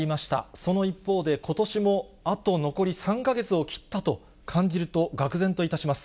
その一方で、ことしもあと残り３か月を切ったと感じると、がくぜんといたします。